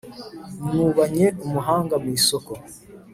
Nywubanye umuhanga mu isoko